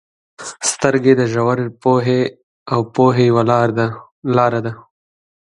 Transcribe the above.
• سترګې د ژور پوهې او پوهې یوه لاره ده.